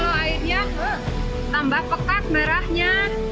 kalau airnya tambah pekat merahnya